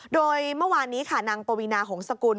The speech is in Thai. โดยเมื่อวานนี้ค่ะนางปวีนาหงษกุล